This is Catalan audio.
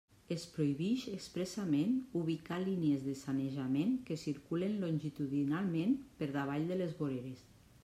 Es prohibix expressament ubicar línies de sanejament que circulen longitudinalment per davall de les voreres.